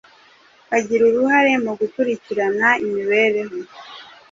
bagira uruhare mu gukurikirana imibereho